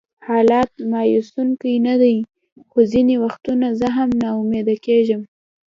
حالات مایوسونکي نه دي، خو ځینې وختونه زه هم ناامیده کېږم.